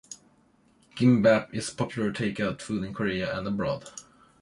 Gimbap is a popular take-out food in Korea and abroad.